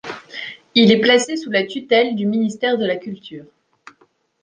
Il est placé sous la tutelle du ministère de la Culture.